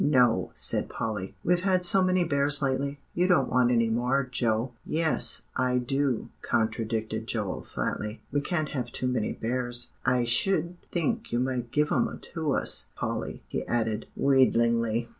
"No," said Polly, "we've had so many bears lately, you don't want any more, Joe." "Yes I do too," contradicted Joel flatly; "we can't have too many bears. I sh'd think you might give 'em to us, Polly," he added wheedlingly.